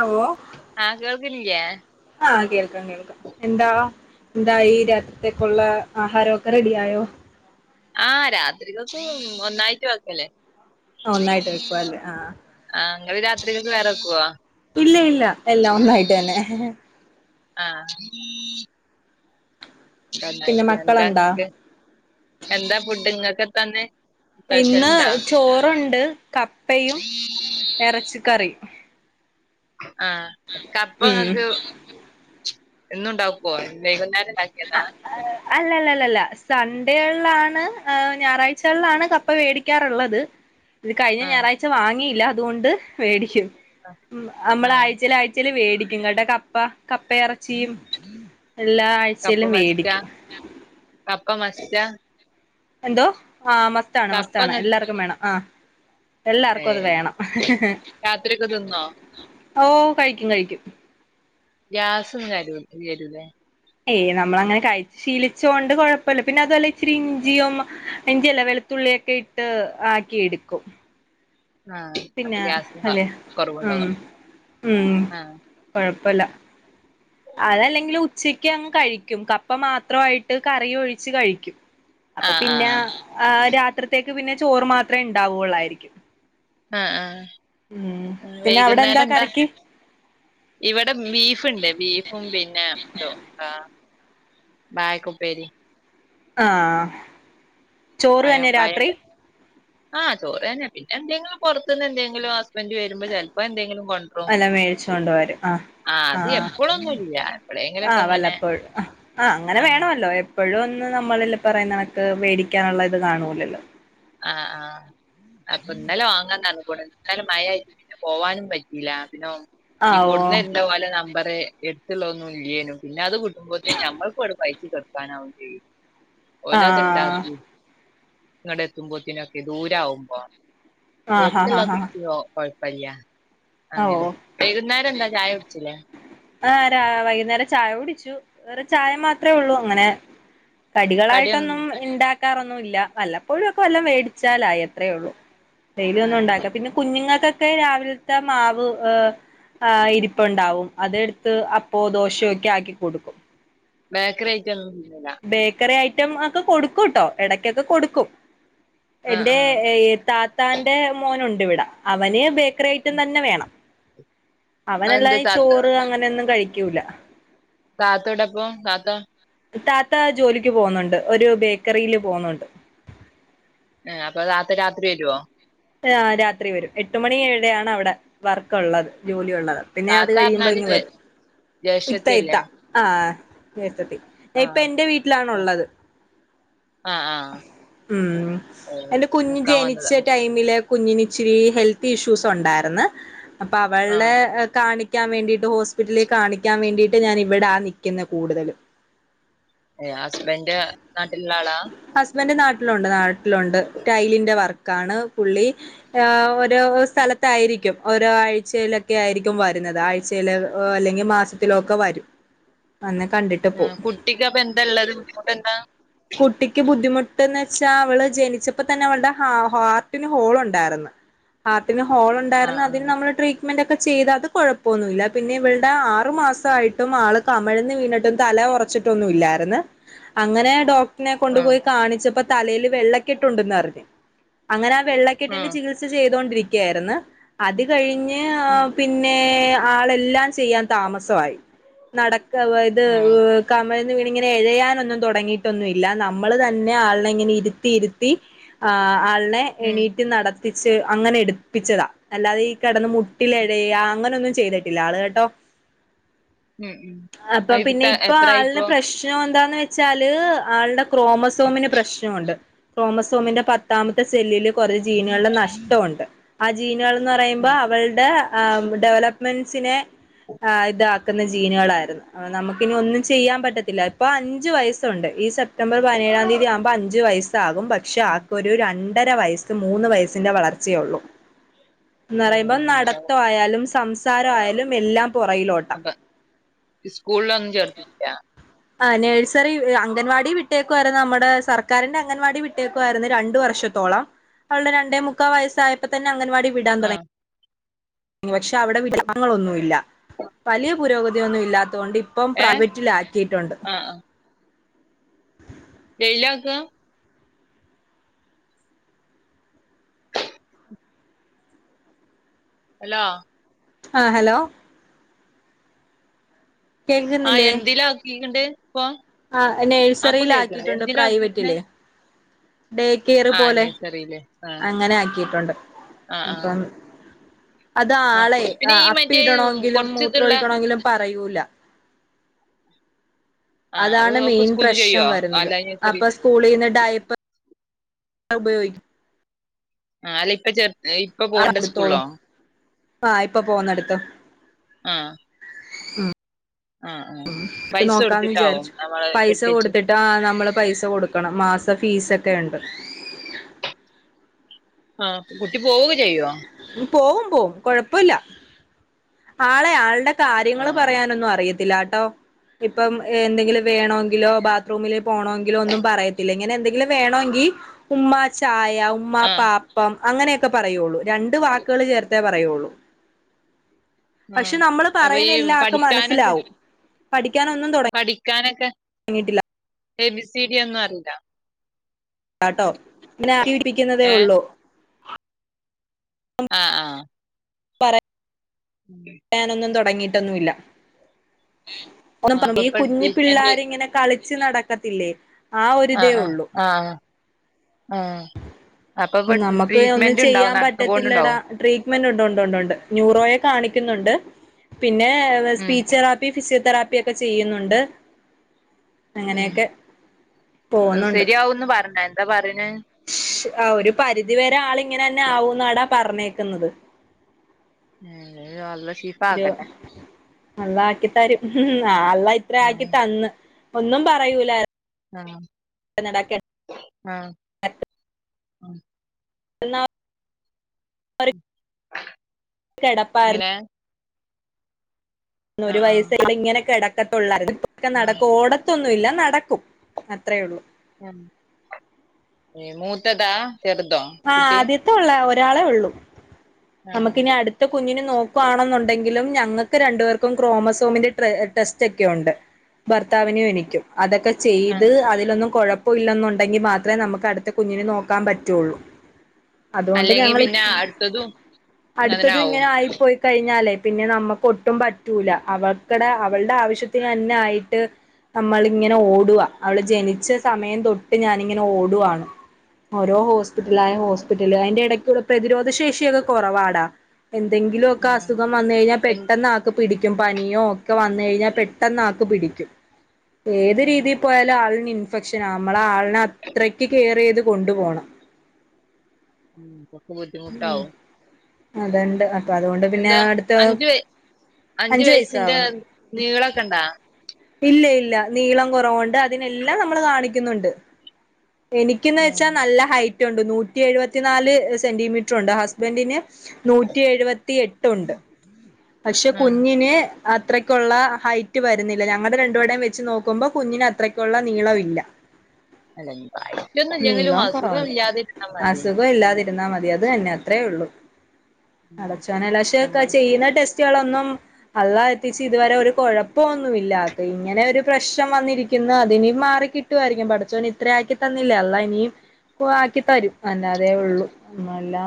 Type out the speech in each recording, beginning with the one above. ആവോ ആഹ് കേൾക്കണില്ല്യേ ആഹ് കേൾക്കാം കേൾക്കാം എന്താ എന്തായി രാത്രിത്തേക്കുള്ള ആഹാരൊക്കെ റെഡി ആയോ ആഹ് രാത്രികൊക്ക് ഒന്നായിട്ട് വെക്കല്ല് ആഹ് ഒന്നായിട്ട് വെക്കുവാല്ലേ ആഹ് ആ ഇങ്ങള് രാത്രികെക്ക് വേറെ വെക്കുവാ ഇല്ല ഇല്ല എല്ലാം ഒന്നായിട്ട് തന്നെ ആഹ് പിന്നെ ന്നായിട്ട് മക്കളുണ്ടാ എന്താക്ക് എന്താ ഫുഡ് ഇങ്ങക്കെന്നാന്ന് ഇന്ന് ചോറുണ്ട് കപ്പയും എറച്ചിക്കറിയും ആഹ് ഉം കപ്പങ്ങക്ക് എന്നുണ്ടാക്കുവോ വൈകുന്നേര ന്ന്ണ്ടാക്കിയതാ അല്ലല്ലല്ലല്ല സൺഡേകളിലാണ് ഞായറാഴ്ചകളിലാണ് കപ്പ വേടിക്കാറുള്ളത് [inaudible] ഇത് കഴിഞ്ഞ ആഹ് ഞായറാഴ്ച്ച വാങ്ങിയില്ല അതുകൊണ്ട് വേടിക്കും നമ്മള് ആഹ് ആയ്ചേൽ ആയ് ച്ചില് വേടിക്കും കപ്പ കപ്പയിറച്ചിയും എല്ലാ കപ്പ ആഴ്ചയിലും മസ്റ്റാ വേടിക്കും കപ്പ മസ്റ്റാ എന്തോ ആഹ് മസ്റ്റാണ് കപ്പ മസ്റ്റാണ് ഇങ്ങ എല്ലാർക്കും വേണം ആ എല്ലാർക്കും അത് ഏഹ് വേണം രാത്രിയൊക്കെ തിന്നോ ഓഹ് കഴിക്കും കഴിക്കും ഗ്യാസും [unintelligible] ഇല്ലാരുന്നേ ഏയ് നമ്മളങ്ങനെ കഴിച്ചു ശീലിച്ച് കൊണ്ട് കുഴപ്പമില്ല പിന്നെ അതുപോലെ ഇച്ചിരി ഇഞ്ചിയും ഇഞ്ചിയെല്ല വെള് തുള്ളിയൊക്കെ ഇട്ട് ആക്കി എടുക്കും ആഹ് അപ്പൊ പിന്നെ ഗ്യാസിന് അല്ലെ ഉം കൊറവുണ്ടാവും ഉം ആഹ് കൊഴപ്പൊല്ല അതല്ലെങ്കിൽ ഉച്ചക്ക് അങ്ങ് കഴിക്കും കപ്പ മാത്രമായിട്ട് കറി ഒഴിച്ച് കഴിക്കും അപ്പൊ ആഹ് പിന്നെ ആഹ് ആ രാത്രിത്തേക്ക് പിന്നെ ചോറ് മാത്രമേ ഉണ്ടാവുള്ളായിരിക്കും ആഹ് ആഹ് പിന്നെ അവിടെ വൈകുന്നേരം എന്താ കറിക്ക് ഇവിടെ ബീഫ് ഇണ്ട് ബീഫ് പിന്ന ഏഹ് [unintelligible] ഉപ്പേരി ആഹ് ചോറ് പയം തന്നെ രാത്രി പയണ്ട് ആഹ് ചോറന്ന പിന്നെ എന്തെങ്കിലും പൊറത്ത്ന്ന് എന്തെങ്കിലും ഹസ്ബൻ്റ് വരുമ്പം ചെലപ്പൊ എന്തെങ്കിലും കൊണ്ട്രും അല്ല മേടിച്ചോണ്ട് വരും ആഹ് ആഹ് എപ്പളെങ്കിലൊക്കെ ആഹ് ഇങ്ങനെ വല്ലപ്പോഴും ആഹ് അങ്ങനെ ആ വേണൊല്ലൊ ഇപ്പഴൊന്നും നമ്മളില്ലെ പറയിന്നണക്ക് വേടിക്കാനുള്ള ഇത് കാണൂലല്ലൊ ആഹ് ആഹ് അപ്പൊ ഇന്നലെ വാങ്ങാ തന്ന് കൂടെ ന്നലെ മയയാറ്റ് പോവാനും പറ്റീല്ല പിന്ന ആഹ് ഓ കൊട്ന്നേര്ണ പോലെ ന പററെ എട്ത്തുള്ളൊന്നും ഇല്ലേന് പിന്നെ അത് കുടുംബത്തി ഞമ്മൾക്കും [unintelligible] പയ്ച്ച് കെടാക്കാനാവും ചെയ്യും ഓല ആഹ് അത്ണ്ടാക്കി നിങ്ങടെ എത്തുമ്പത്തിനൊക്കെല്യ ദൂരവുമ്പൊ ആഹ് ആഹ് ആഹ് എട്ത്തുള്ളൊക്കെ ആഹ് കിട്ട്യൊ കൊഴപ്പല്ല ആ ഓ അങ്ങനെ വൈകുന്നേരം എന്താ ചായ കുടിച്ചിലെ ആഹ് രാ വൈക്ന്നേരം ചായ കുടിച്ചു വേറെ ചായ മാത്രെ ഉള്ളു അങ്ങനെ കടിയൊന്നും കടികളായിട്ടൊന്നും ഇണ്ടാക്കാറൊന്നു ഇല്ല വല്ലപ്പോഴു ഒക്കെ വല്ലം മേടിച്ചാലായി അത്രെ ഉള്ളു ഡെയിലി ഒന്നും ആഹ് ഇണ്ടാക്കാം പിന്നെ കുഞ്ഞുങ്ങൾക്ക ഒക്കെ രാവിൽത്തെ മാവ് ഏഹ് ഇരിപ്പ്ണ്ടാവും അതെട്ത്ത് അപ്പൊ ദോശയൊക്ക ആക്കി കൊട്ക്കും ബേക്കറി ഐറ്റന്നു തിന്നുല്ല ബേക്കറി ഐറ്റം ഒക്ക കൊടുക്കും ട്ടോ എടകൊക്കെ കൊട്ക്കും ആഹ് എന്റെ ആഹ് എ താത്താന്റെ മോനുണ്ടിവടെ അവന് ഭേ ക്രി അയിറ്റം തന്നെ വേണം അവനല്ല അതെന്ത് താത്ത ചോറ് അങ്ങനെയൊന്നും കഴിക്കൂല താത്തവ്ടപ്പം താത്ത താത്ത ജോലിക്ക് പോവുന്നുണ്ട് ഒരു ബേക്കറീല് പോവുന്നുണ്ട് ഹെ അപ്പ താത്ത രാത്രി വരൊ എ രാത്രി വരും എട്ട് മണിയേടെയാണ് അവടെ വർക്ക് ഉള്ളത് ജോലിള്ളത് പിന്നെ അത് താത്ത കഴിയുമ്പൊ പറഞ്ഞാല് ഇങ്ങ് ജേ വരൂം ഇത്ത ഇത്ത ജേഷ്ഠത്തിയല്ലേ ആഹ് ഏട്ടത്തി ഇപ്പ ആഹ് എന്റെ ആഹ് വീട്ടിലാണുള്ളത് ആഹ് ആഹ് ഉം ഓഹ് അയിന് കുഞ്ഞ് നിക്കാൻ വന്നതാ ജനിച്ച ടൈമില് കുഞ്ഞിന് ഇച്ചിരി ഹെൽത്ത് ഇഷ്യൂസ് ഉണ്ടാര്ന്ന് അപ്പൊ അവള്ടെ ആഹ് കാണി ക്കാൻ വേണ്ടീട്ട് ഹോസ്പിറ്റലി കാണിക്കാൻ വേണ്ടീട്ട് ഞാൻ ഇവടാ നിക്ക്ന്നെ കൂട്തല് ഏഹ് ഹസ്ബൻഡ് നാട്ടില്ള്ള ആളാ ഹസ്ബൻഡ് നാട്ട്ലുണ്ട് നാട്ട്ലുണ്ട് ടൈലിന്റെ വർക്കാണ് പുള്ളി ഓരോ സ്ഥലത്തായിരിക്കും ഓരോ ആഴ്ചയിലൊക്ക ആയിരിക്കും വര്ന്നത് ആഹ് ചില അല്ലെങ്കി മാസത്തിലൊക്ക വരും അന്ന് കണ്ടിട്ട് പോവും കുട്ടിക്ക് അപ്പ എന്ത ഇള്ളത് ബുദ്ധിമുട്ടെന്ത കുട്ടിക്ക് ബുദ്ധിമുട്ട്ന്ന് വെച്ചാ അവള് ജനിച്ചപ്പൊ തന്നെ അവള്ടെ ഹാ ഹാർട്ടിന് ഹോൾ ഉണ്ടാര്ന്ന് ഹാർട്ടിന് ഹോള് ഉണ്ടാര്ന്ന് ആഹ് അതിന് ആഹ് നമ്മള് ട്രീ റ്റ് മെൻഡ് ഒക്കെ ചെയ്ത് അത് കൊഴപ്പൊന്നുല്ല പിന്നെ ഇവള്ട ആറ് മാസായിട്ടും ആള് കമഴ്ന്ന് വീണിടും തല ഒറച്ചിട്ടൊന്നു ഇല്ലായിര്ന്ന് അങ്ങനെ ഡോക് കൊണ്ട് ആഹ് പോയി കാണിച്ചപ്പൊ തലേല് വെള്ളക്കെട്ടുണ്ടെന്ന് അർഞ്ഞ് അങ്ങനെ ആഹ് വെള്ളക്കെട്ടിന്റെ ആഹ് ചികിത്സ സചെയ്തോണ്ട്രിക്കായിര്ന്ന് അത് കഴിഞ് ഉം ആഹ് പി പിന്നേ ആളെല്ലാം ചെയ്യാൻ താമസവായി നടക്കവ ഇത് ആഹ് കമഴ്ന്ന് വീണ്ങ്ങനെ എഴയാനൊന്നും തൊടങ്ങീ ന്നുല്ല നമ്മള് തന്നെ ആള്നെ ഇങ്ങനെ ഇര്ത്തി ഇര്ത്തി ആള്നെ ഉം എണീറ്റ് നട ത്തിച്ച് അങ്ങനെ എട്പ്പിച്ചത അല്ലാതെ ഈ കിടന്ന് മുട്ടിലിഴയ അങ്ങനൊന്നും ചെയ്തിട്ടില്ല ആള് കെട്ടൊ ഉം ഉം അപ്പ ആഹ് പിന്നെ ഇപ്പത്തെ ഇപ്പൊ ആള്ന് എത്രായിപ്പോ പ്രശ് പ്രശ്നം എന്താന്ന് വെച്ചാല് ആള്ടെ ക്രോമസോമിന് പ്രശ്നവുണ്ട് ക്രോമസോമിന്റെ പത്താമത്തെ സെല്ലില് കൊറേ ജീന്കള്ടെ നഷ്ട്ടോണ്ട് ആഹ് ജീനുകൾ പറയുമ്പോ ഉം അവള്ടെ ആഹ് ഡെവലപ്മെൻസിനെ ആഹ് ഇതാക്കുന്ന ജീനുകളായിരുന്നു അവ നമുക്കിനി ഒന്നും ചെയ്യാം പറ്റത്തില്ല ഇപ്പ അഞ്ച് വയസ്സുണ്ട് ഈ സെപ്റ്റംബർ പതിനേഴാം തീയതി ആവുമ്പം അഞ്ചു വയസ്സാകും. പക്ഷെ ഉം ആക്കൊരു ര ണ്ടര വയസ് മൂന്ന് വയസിന്റെ വളർച്ചയൊള്ളൂ എന്ന് പറയുമ്പോ എന്താ നടത്തയാലും സംസാരയാലും എല്ലാം പുറയിലോട്ട് അപ്പ സ്കൂളിലൊന്നും ചേർത്തിട്ടില്ല. ആഹ് നഴ്സറി അംഗൻവാടി വിട്ടേക്കു ആയിരുന്നു നമ്മ്ടെ സർക്കാരിന്റെ അംഗൻവാടി വിട്ടേക്കു ആരുന്നു രണ്ടു വർഷം ത്തോള അവള്ടെ രണ്ടേ മുക്കാ വയസ്സായപ്പതെന്നെ അംഗൻവാടി വിടാൻ ആ തുട ങ്ങി അവിടെ പക്ഷെ അവിടെ വിടഗങ്ങളൊന്നു ഇല്ല വലിയ പുരോഗതി ഒന്നും ഇല്ലാത്തൊണ്ട് ഇപ്പം ഏ പ്രൈവറ്റില് ആക്കിട്ടുണ്ട്. ആ വെയിലാക്കാ ഹലോ ആഹ് ഹലോ ആഹ് കേൾക്കുന്നില്ലേ എന്തിലാ ആക്കീക്ക്ണ്ട് ഇപ്പൊ ആഹ് അപ്പൊ നേഴ്സറീല് കേൾക്കണ്ട് ആക്കിട്ടുണ്ട് എന്തിലാ ആക്കിക്കണ് പ്രൈവറ്റില് ഡേ ക്കേറ് ആ പോലെ നഴ്സറിയില് ആ അങ്ങനെ ആക്കിട്ടുണ്ട് ആ ആ അപ്പം അത് ആ ആളെ പിന്നെ ഈ അപ്പി മറ്റേ ഇടണോങ്കിലും കൊറച്ച് മൂത്രം ഇതുള്ള ഒഴിക്കണോങ്കിലും പറയൂല ആ അത് അതാണ് ഒക്കെ മെയിൻ സ്കൂളിന്ന് പ്രശ്നം ചെയ്യോ വരുന്നത് അല്ല നഴ്സറി അപ്പൊ സ്കൂളീന്ന് ഡയപ്പ ഉപയോഗിക്കും [unintelligible] [unintelligible] പോകണ്ട സ്കൂളിലോ ആഹ് ഇപ്പൊ പോന്നെട്ത്തു ആഹ് ഉം പൈസ നോക്കാന്ന് കൊടുത്തിട്ടാവും വിചാരിച്ചു. നമ്മള് പൈസ കെട്ടിച്ച് കൊടുത്തി ട്ടാ നമ്മള് പൈസ കൊടുക്കണം മാസ ഫീസ് ഒക്കെ ഉണ്ട്. ആഹ് കുട്ടി പോവ്ക്കെ ചെയ്യൊ പോവും പോവും കൊഴപ്പില്ല. ആളെ ആള്ടെ ആ കാര്യങ്ങള് പറയാനൊന്നും അറിയത്തില്ലാട്ടോ ഇപ്പം എന്തെങ്കിലും വേണോങ്കിലോ ബാത്റൂമില് പോണോങ്കിലോ ഒന്നും പറയത്തില്ല ഇങ്ങനെ എന്തെങ്കിലും വേണോങ്കി ഉമ്മ ചായാ ഉ ഉമ്മാ ആ പാപ്പം അങ്ങനെയൊക്കെ പറയൊള്ളൂ രണ്ട് വാക്കുകള് ചേർത്തേ പറയൊള്ളൂ ആ പക്ഷേ നമ്മള് അപ്പൊ ഈ പറയുന്നെല്ലാം അവക്ക് പഠിക്കാനൊക്കെ മനസ്സിലാവും പഠിക്കാൻ ഒന്നും തുട പഠിക്കാനൊക്കെ തുടങ്ങീട്ടില്ല. എ ബി സി ഡിയൊന്നും അറീല്ല [unintelligible] ഏ ഉള്ളൂ ആഹ് ആഹ് [unintelligible] ഉം യാനൊന്നും തുടങ്ങിട്ടൊന്നുല്ല. ആ ഒന്ന് അപ്പൊ ഈ ഇപ്പൊ കുഞ്ഞു ട്രീറ്റ്മെന്റ് പിള്ളേര് ഇങ്ങനെ കളിച്ച് നടക്കത്തില്ലേ ആ ഒരിതേ ആഹ് ആഹ് ഒള്ളൂ ആഹ് ആഹ് അപ്പൊ ഇപ്പൊ നമ്മക്ക് ഒന്നും ട്രീറ്റ്മെന്റ് ഉണ്ടാവും ചെയ്യാൻ പറ്റത്തില്ലടാ നടന്നുകൊണ്ടുണ്ടാവും ട്രീറ്റ്മെന്റ് ഉണ്ട് ഉണ്ട് ഉണ്ട് ന്യൂറോയെ കാണിക്കുന്നുണ്ട് പിന്നെ ഉം സ്പീച്ച്തെ ഫിസിയോതെറാപ്പി ഒക്കെ ചെയ്യുന്നുണ്ട് ഉം അങ്ങനെയൊക്കെ പോകുന്നുണ്ട് ശരിയാവുന്ന് പറഞ്ഞ എന്താ പറയണ് ആഹ് ഒരു പരിധിവരെ ആള് ഇങ്ങനെ തന്നെ ആവുന്നാടാ പറഞ്ഞേക്കുന്നത് ഉം [unintelligible] തരും അള്ള ആക്കി തരും. ആഹ് അള്ള ഇത്ര ആക്കി ആഹ് തന്ന് ഒന്നും പറയൂല ആഹ് നടക്കൻ ആഹ് എന്ന കിടപ്പാരു ഇങ്ങനെ ഒരു ആഹ് ആഹ് വയസ്സ ക്കടക്കത്തള്ള ആഹ് നടക്കു ഓട ന്നുല്ല നടക്കും അത്രേ ഉള്ളൂ. മൂത്തതാ ചെറുതോ? ആഹ് കുട്ടി ആദ്യത്തെേ ഉള്ള ഒരാളെ ഉള്ളൂ നമുക്ക്നി ആഹ് അടു കുഞ്ഞിന് നോക്കുവാണെന്നുണ്ടെങ്കിലും ഞങ്ങൾക്ക് രണ്ടു പേർക്കും ക്രോമസോമിന്റെ ടെസ്റ്റ് ഒക്കെ ഉണ്ട്. ഭർത്താവിനും എനിക്കും അതൊക്കെ ആഹ് ചെയ്ത് അതിലൊന്നും കുഴപ്പ ഇല്ലന്നുണ്ടെങ്കിൽ മാത്രമേ നമ്മുക്ക് അടുത്ത കുഞ്ഞിനെ നോക്കാൻ പറ്റുള്ളൂ. അതുകൊണ്ട് അല്ലെങ്കി ഞങ്ങളി പിന്നെ അടുത്തതും അടുത്തത് അങ്ങനാവും ഇങ്ങനെ ആ ആയി പോയി കഴിഞ്ഞാലേ പിന്നെ നമ്മക്ക് ഒട്ടും പറ്റൂല അവക്കടെ അവളുടെ ആവശ്യത്തിന് തന്നെ ആയിട്ട് നമ്മളിങ്ങനെ ഓടുവാ അവള് ജനിച്ച സമയം തൊട്ട് ഞാനിങ്ങനെ ഓടുവാണ് ഓരോ ഹോസ്പിറ്റലായി ഹോസ്പിറ്റല് അയ്ന്റെ ഇടയ്ക്കുള്ള പ്രതിരോധ ശേഷി കുറവാടാ എന്തെങ്കിലും ഒക്കെ ആഹ് അസുഖം വന്ന് കഴിഞ്ഞാൽ എൻ പെട്ടെന്ന് ക്ക് പിടിക്കും പനിയോ ഒക്കെ വന്നാഴിഞ്ഞാൽ പെട്ടെന്ന് ആക്ക് പിടിക്കും. ഏത് ആഹ് രീതി പോയാലും ആളിന് ഇൻഫെക്ഷന നമ്മൾ ആളിനെ അത്രയ്ക്ക് കെയറെയ്ത് കൊണ്ടുപോണം. ഉം ഉപ്പാക്ക് ബുദ്ധിമുട്ടാവും അത് ഒണ്ട് അപ്പൊ അതുകൊണ്ട് പിന്നെ എന്താ അടുത്ത് അഞ്ചു വയ അഞ്ചു അഞ്ച് വയസ്സിന്റെ വയസ്സാവുന്നു നീളൊക്കെ ഇണ്ടാ? ഇല്ല ഇല്ല നീളം കുറവുണ്ട് അതിനെല്ലാം നമ്മള് കാണിക്കുന്നുണ്ട്. എനിക്കെന്ന് ആഹ് വെച്ചാൽ നല്ല ഹൈറ്റ് ഉണ്ട് നൂറ്റി എഴുപത്തി നാല് സെന്റിമീറ്ററുണ്ട് ഹസ് ഹസ്ബന്റിന് നൂറ്റി എഴുപത്തി എട്ടുണ്ട് പക്ഷെ ഉം കുഞ്ഞിന് അത്രയ്ക്കുള്ള ഹൈറ്റ് വരുന്നില്ല ഞങ്ങളുടെ രണ്ടുപടയും വെച്ച് നോക്കുമ്പോൾ കുഞ്ഞിന് അത്രയ്ക്കുള്ള നീളം ഇല്ല. അല്ല പ്രായിട്ടൊന്നും ഇല്ലെങ്കിലും നീളോം അസുഖം കുറവുണ്ട് ഇല്ലാതിരുന്നാ മതി അസുഖം ഞാന് ഇല്ലാതിരുന്നാ മതി അത് തന്നെ അത്രേ ഉള്ളു. അടച്ചോനല്ല ക്ഷെ ഞമ്മള് ചെയ്യുന്ന ടെസ്റ്റുകളൊന്നും അള്ളാഹ് എത്തിച്ച് ഇതുവരെ ഒരു കുഴപ്പൊന്നും ഇല്ല ആക്ക് ഇങ്ങനെ ഒരു പ്രശ്നം വന്നിരിക്കുന്നു അതിനി മാറി കി ട്ടുമായിരിക്കും പടച്ചോന് ഇത്ര ആക്കി തന്നില്ലേ അള്ളാഹ് ഇനീയും [unintelligible] ആക്കി തരും അല്ലാതെ ഉള്ളൂ അല്ലാ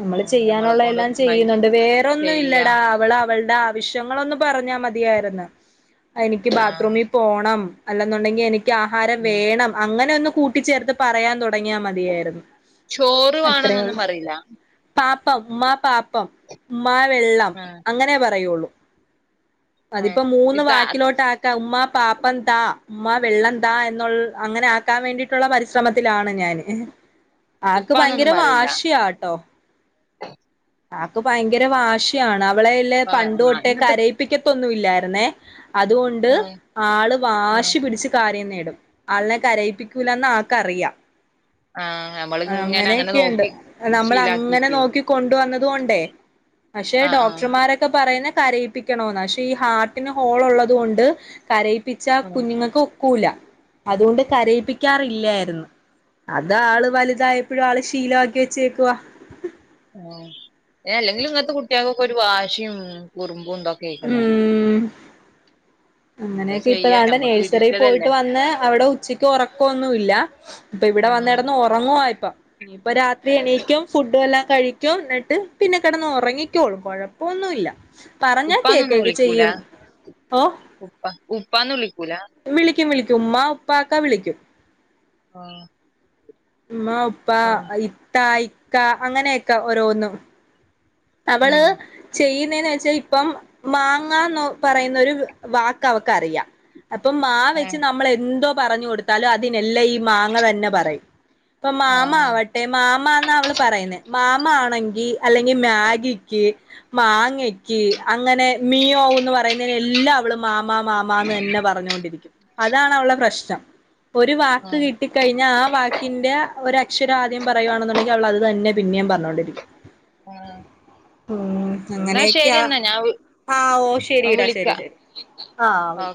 നമ്മള് ഉം ഞമ്മളെ ചെയ്യാനുള്ള കൊണ്ട് എല്ലാം വൈ ചെയ്യുന്നുണ്ട് വേറൊന്നും ചെയ്യാ ഇല്ലടാ അവള് അവളുടെ ആ വശ്യങ്ങളൊന്ന് പറഞ്ഞാൽ മതിയരുന്നു എനിക്ക് ആഹ് ബാത്റൂമിൽ പോണം അല്ലെന്നുണ്ടെങ്കിൽ എനി ക്ക് ആഹാരം ഉം വേണം അങ്ങനെ ഒന്ന് കൂട്ടിച്ചേർത്ത് പറയാൻ തുടങ്ങിയാ മതിയാരുന്ന് ചോറു വേണേന്നൊന്നും പറിലാ പാപ്പം ഉമ്മാ പാപ്പം ഉമ്മാ വെള്ളം ആഹ് അങ്ങനെ പറയുള്ളൂ. ആഹ് അതിപ്പോ മൂന്ന് ഇതാ വാക്കിലോട്ട് ആക്കാം ഉമ്മ പാപ്പം താ ഉമ്മാ വെള്ളം താ എന്നുൾ അങ്ങനെ ആക്കാൻ വേണ്ടിയിട്ടുള്ള പരിശ്രമത്തിലാണ് ഞാന്. ആക്ക് ഭയങ്കര ഉപ്പാന്നൊന്നും പറയില്ല വാശിയാട്ടോ. ആക്ക് ഭയങ്കര വാശിയാണ് അവളെല്ലെ ആഹ് പണ്ട് ആഹ് തൊട്ടേ ഇന്നത്തെ കരയിപ്പിക്കത്തൊന്നുല്ലായിരുന്നേ. അതുകൊണ്ട് ആഹ് ആള് ആഹ് വാശി പിടിച്ച് കാര്യം നേടും ആളിനെ കരയിപ്പിക്കൂല്ലന്ന് ആൾക്കറിയാം. ആഹ് നമ്മളിങ്ങനെ അങ്ങനെ നോക്കി ശീലാക്കിട്ട് കൊണ്ട് വന്നത് കൊണ്ടേ പക്ഷെ ആഹ് ആഹ് ഡോക്ടർമാരൊക്കെ പറയുന്ന കരയി പ്പിക്കണോന്ന പക്ഷെ ഈ ഹാർട്ടിന് ഹോൾ ഉള്ളത് കൊണ്ട് കരയിപ്പിച്ച ആഹ് കുഞ്ഞുങ്ങൾക്ക് ക്കൂല അതുകൊണ്ട് കരയിപ്പിക്കാറില്ലായിരുന്നു. അതള് വലുതായപ്പോഴും ആള് ശീലവാക്കി വെച്ചേക്കുവാ. ആഹ് അല്ലെങ്കിലും ഇങ്ങനത്തെ കുട്ടികക്കൊക്കെ ഒരു വാശിയും കുറുമ്പുംണ്ടോക്കെ കേക്കണെണ് ഉം അങ്ങനെയൊക്കെ ഇപ്പ ദണ്ടേ ഞമ്മക്ക് നേഴ്സറിയിൽ വിധിച്ചതല്ലേ പോയിട്ട് വന്ന് അവിടെ ഉച്ചക്ക് ഉറക്കം ഒന്നും ഇല്ല ഇപ്പൊ ഇവിടെ വന്ന് ആഹ് കിടന്ന് ഉറങ്ങുവാ ഇപ്പം ഇനീപ്പം രാത്രി എണീക്കും ഫുഡും എല്ലാം കഴിക്കും എന്നിട്ട് പിന്നെ കിടന്ന് ഉറങ്ങിക്കോളും കൊഴ പ്പൊന്നും ഇല്ല പറഞ്ഞാ ഉപ്പാന്നൊന്നും കേക്കേക്കെ വിളിക്കൂല ചെയ്യും ഓഹ് ഉപ്പ ഉപ്പാന്ന് വിളിക്കൂല വിളിക്കും വിളിക്കും ഉമ്മ ഉപ്പക്കാ വിളിക്കും ആഹ് ഉമ്മ ഉപ്പ ആഹ് ഇത്ത ഇക്ക അങ്ങനെക്കാ ഓരോന്നും അവള് ഉം ചെയ്യുന്നെന്ന് വെച്ചാൽ ഇപ്പം മാങ്ങന്ന് പറയുന്നൊരു വാക്ക് അവക്കറിയാം അപ്പൊ മ വെച്ച് ഏഹ് നമ്മൾ എന്തോ പറഞ്ഞു കൊടുത്താലും അതിനെല്ലാം ഈ മാങ്ങ തന്നെ പറയും ഇപ്പൊ മാമാ ആഹ് ആവട്ടെ മാമാന്ന് അവള് പറയുന്നെ മാമാ ആണെങ്കിൽ അല്ലെങ്കിൽ മാഗിക്ക് മാങ്ങ ക്ക് അങ്ങനെ മ്യാവൂന്ന് പറയുന്നതിന്ന് എല്ലാം അവള് മാമാ മാമാന്ന് തന്നെ പറഞ്ഞോണ്ടിരിക്കും അതാണ് അവളെ പ്രശ്നം ഒരു വാക്ക് കിട്ടി ക്കഴിഞ്ഞ ആ വാക്കിൻ്റെ ഒരക്ഷരം ആദ്യം പറയുവാണേന്നുണ്ടെങ്കിൽ അവള് അത് തന്നെ പിന്നെയും പറഞ്ഞോണ്ടിരിക്കും ആഹ് ഉം എന്നാ ശരി അങ്ങനെയൊക്കെയാ എന്നാ ഞാൻ ആഹ് ഓഹ് ശരിടാ ശരി വിളിക്കാ ശരി ആഹ് ഓക്കെ